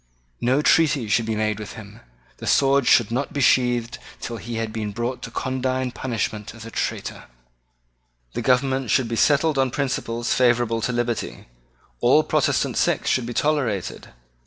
No treaty should be made with him. The sword should not be sheathed till he had been brought to condign punishment as a traitor. The government should be settled on principles favourable to liberty. All Protestant sects should be tolerated.